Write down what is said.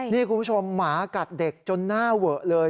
นี่คุณผู้ชมหมากัดเด็กจนหน้าเวอะเลย